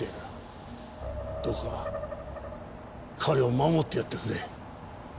どうか彼を守ってやってくれ。